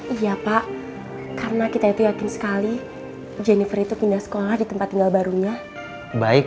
iya pak karena kita itu yakin sekali jennifer itu pindah sekolah di tempat tinggal barunya baik